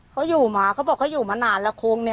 เขาอยู่มาเขาบอกเขาอยู่มานานแล้วโค้งเนี่ย